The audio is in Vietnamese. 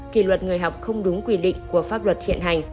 kỷ luật người học không đúng quy định của pháp luật hiện hành